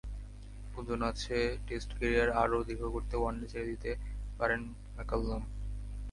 গুঞ্জন আছে, test career আরও দীর্ঘ করতে ওয়ানডে ছেড়ে দিতে পারেন ম্যাককালাম।